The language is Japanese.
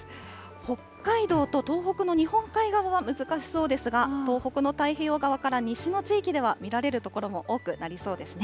北海道と東北の日本海側は難しそうですが、東北の太平洋側から西の地域では見られる所も多くなりそうですね。